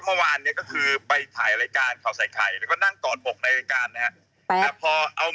มันเป็นเหมือนแบบเช็ดเอ็ดอักเสบนะครับ